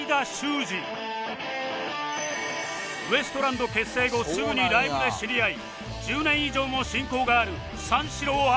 ウエストランド結成後すぐにライブで知り合い１０年以上も親交がある三四郎相田